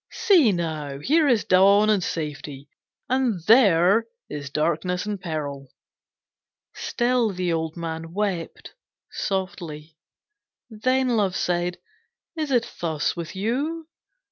'See now, here is dawn and safety, and there is darkness and peril.' Still the old man wept softly. Then Love said: 'Is it thus with you?'